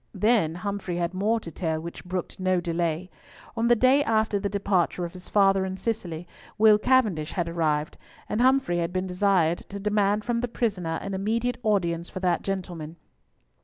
Then Humfrey had more to tell which brooked no delay. On the day after the departure of his father and Cicely, Will Cavendish had arrived, and Humfrey had been desired to demand from the prisoner an immediate audience for that gentleman.